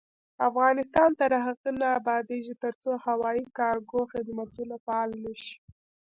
افغانستان تر هغو نه ابادیږي، ترڅو هوایي کارګو خدمتونه فعال نشي.